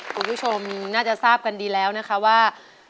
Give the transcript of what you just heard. คุณผู้ชมน่าจะทราบกันดีแล้วนะคะว่า